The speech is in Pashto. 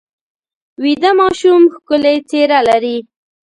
ویده ماشوم ښکلې څېره لري